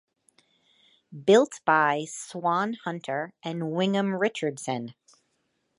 Built by Swan Hunter and Wigham Richardson.